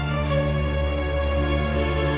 aku mau ke sana